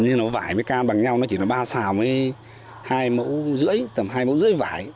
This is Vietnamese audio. như nó vải với cam bằng nhau nó chỉ là ba sao với hai mẫu rưỡi tầm hai mẫu rưỡi vải